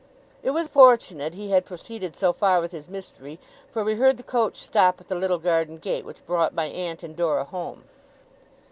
It was fortunate he had proceeded so far with his mystery, for we heard the coach stop at the little garden gate, which brought my aunt and Dora home.